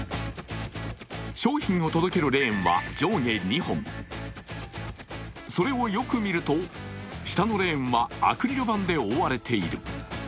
商品を届けるレーンは上下２本、それをよく見ると、下のレーンはアクリル板で覆われている。